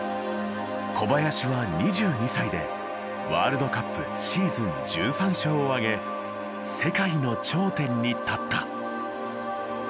小林は２２歳でワールドカップシーズン１３勝を挙げ世界の頂点に立った。